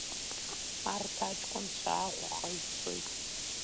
Арҭ аҷкәынцәа Аҟәаҟа ицоит…